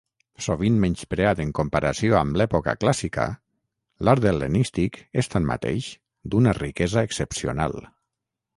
Sovint menyspreat en comparació amb l'època clàssica, l'art hel·lenístic és, tanmateix, d'una riquesa excepcional.